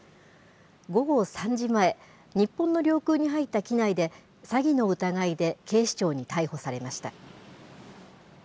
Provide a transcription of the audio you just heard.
午後３時前、日本の領空に入った機内で、詐欺の疑いで警視庁に逮捕されました。